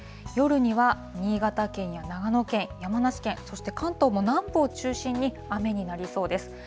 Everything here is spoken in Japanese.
夜には、新潟県や長野県、山梨県、そして関東も南部を中心に、雨になりそうです。